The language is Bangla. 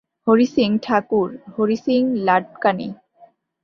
হরি সিং ঠাকুর হরি সিং লাডকানি।